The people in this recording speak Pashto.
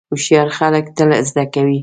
هوښیار خلک تل زده کوي.